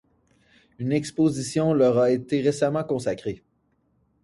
Une exposition leur a été récemment consacrée.